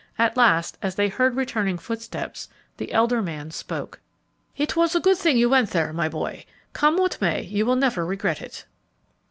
At last, as they heard returning footsteps, the elder man spoke, "It was a good thing you went there, my boy; come what may, you will never regret it."